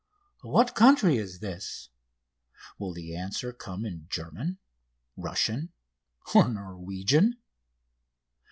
"What country is this?" Will the answer come in German, Russian, or Norwegian?